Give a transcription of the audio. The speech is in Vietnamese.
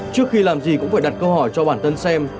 trước khi làm gì cũng phải đặt câu hỏi cho bản thân xem